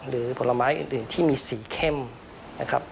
ผลไม้อื่นที่มีสีเข้มนะครับ